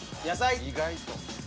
意外と。